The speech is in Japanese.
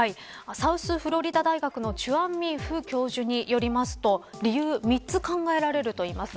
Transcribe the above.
サウスフロリダ大学のチュアンミン・フ教授によりますと理由３つ考えられといいます。